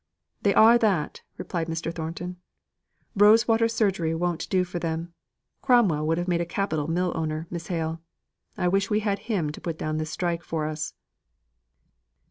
"They are that," replied Mr. Thornton. "Rose water surgery won't do for them. Cromwell would have made a capital mill owner, Miss Hale. I wish we had him to put down this strike for us."